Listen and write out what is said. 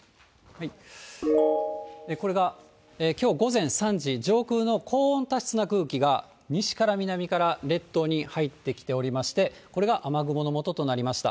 これがきょう午前３時、上空の高温多湿な空気が、西から南から列島に入ってきておりまして、これが雨雲のもととなりました。